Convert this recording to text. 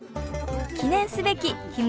記念すべきひむ